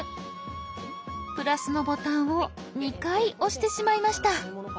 プラスのボタンを２回押してしまいました。